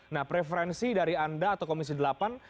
nah preferensi dari anda atau komisi delapan